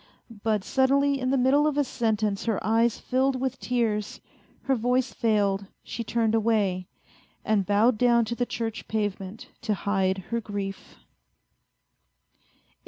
... But suddenly in the middle of a sentence her eyes filled with tears, her voice failed, she turned away, and bowed down to the church pavement to hide her grief.